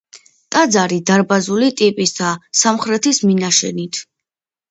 ტაძარი დარბაზული ტიპისაა სამხრეთის მინაშენით.